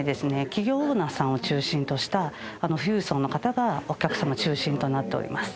企業オーナーさんを中心とした富裕層の方がお客様中心となっております。